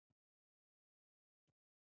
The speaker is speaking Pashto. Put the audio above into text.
ده له کوټې ووت.